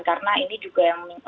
karena ini juga yang berkaitan dengan